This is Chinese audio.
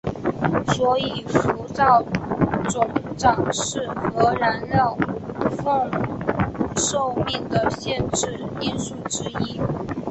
所以辐照肿胀是核燃料棒寿命的限制因素之一。